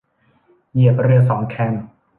เหยียบเรือสองแคม